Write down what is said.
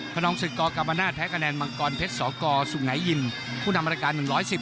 ขนองศึกกกับมแพ้คะแนนมังกรเพชรสกสุงไหนยินผู้นำราการ๑๑๖